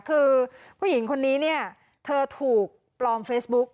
คือผู้หญิงคนนี้เนี่ยเธอถูกปลอมเฟซบุ๊ก